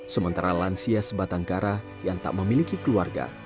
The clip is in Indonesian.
sementara lansia sebatang kara yang tak memiliki keluarga